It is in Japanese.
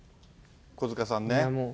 小塚さんね。